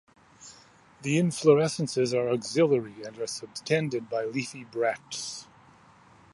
The inflorescences are axillary and are subtended by leafy bracts.